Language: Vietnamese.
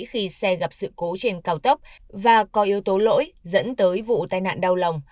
khi xe gặp sự cố trên cao tốc và có yếu tố lỗi dẫn tới vụ tai nạn đau lòng